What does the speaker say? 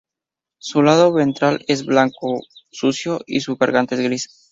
Su lado ventral es blanco sucio y su garganta es gris.